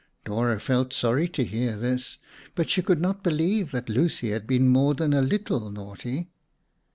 Dora felt sorry to hear this, but she could not believe that Lucy had been more than a little naughty.